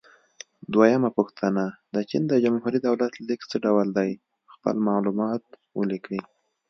دویمه پوښتنه: د چین د جمهوري دولت لیک څه ډول دی؟ خپل معلومات ولیکئ.